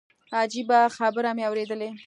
عجيبه خبرې مې اورېدلې.